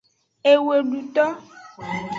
Eweduto.